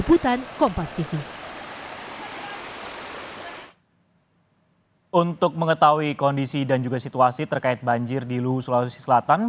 untuk mengetahui kondisi dan juga situasi terkait banjir di luhu sulawesi selatan